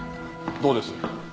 どうです？